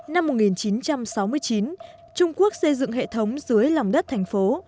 năm một nghìn chín trăm sáu mươi chín trung quốc xây dựng hệ thống dưới lòng đất thành phố